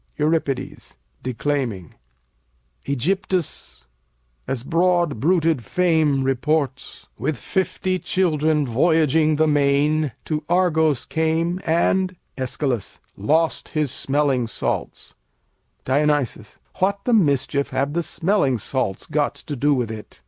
Eur. [declaiming] Ægyptus, as broad bruited fame reports, With fifty children voyaging the main To Argos came, and Æsch. lost his smelling salts. Dion. What the mischief have the smelling salts got to do with it?